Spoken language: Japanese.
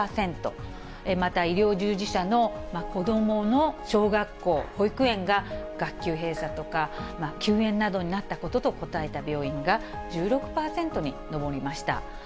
また医療従事者の子どもの小学校、保育園が学級閉鎖とか休園などになったことなどと答えた病院が１６％に上りました。